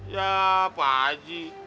ya pak aji